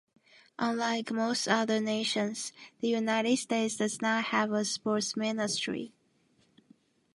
Unlike most other nations, the United States does not have a sports ministry.